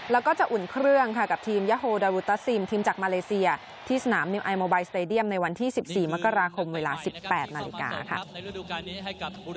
แล้วก็จะอุ่นเครื่องค่ะกับทีมยาโฮดารุตาซิมทีมจากมาเลเซียที่สนามนิวไอโมไบสเตดียมในวันที่๑๔มกราคมเวลา๑๘นาฬิกาค่ะ